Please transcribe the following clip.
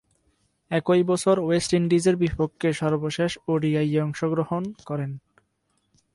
একই বছর ওয়েস্ট ইন্ডিজের বিপক্ষে সর্বশেষ ওডিআইয়ে অংশগ্রহণ করেন।